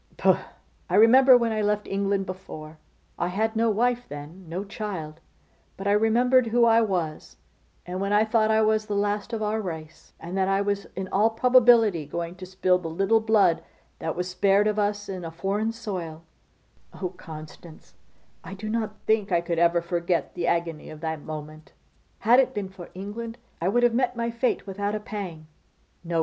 'Pooh! I remember when I left England before, I had no wife then, no child, but I remembered who I was, and when I thought I was the last of our race, and that I was in all probability going to spill the little blood that was spared of us in a foreign soil, oh, Constance, I do not think I ever could forget the agony of that moment. Had it been for England, I would have met my fate without a pang. No!